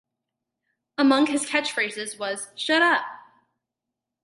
Among his catchphrases was Shut Up!!